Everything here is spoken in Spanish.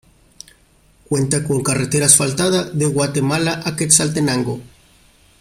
Cuenta con carretera asfaltada de Guatemala a Quetzaltenango.